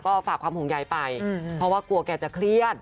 ก็ฝากความห่วงใยไปเพราะว่ากลัวแกจะเครียด